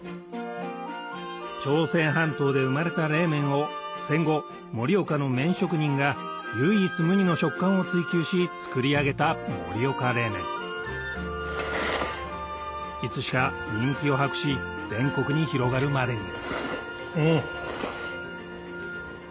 朝鮮半島で生まれた冷麺を戦後盛岡の麺職人が唯一無二の食感を追求し作り上げた盛岡冷麺いつしか人気を博し全国に広がるまでにうん！